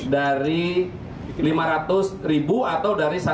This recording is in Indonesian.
dari lima ratus ribu atau dari